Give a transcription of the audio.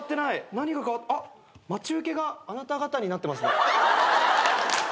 何が変わあっ待ち受けがあなた方になってますね。